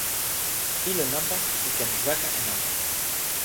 ilo nanpa li ken weka e nanpa.